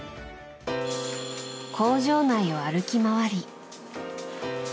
工場内を歩き回り。